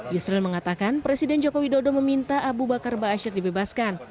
yusril mengatakan presiden jokowi dodo meminta abu bakar ba'asyir dibebaskan